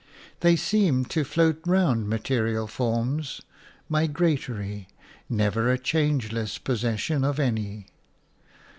They seem to float round material forms, migratory, never a changeless possession of any.